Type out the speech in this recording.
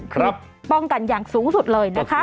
ป้องกันอย่างสูงสุดเลยนะคะ